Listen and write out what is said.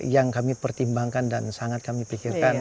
yang kami pertimbangkan dan sangat kami pikirkan